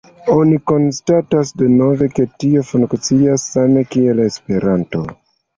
Oni konstatas denove, ke tio funkcias same kiel en Esperanto.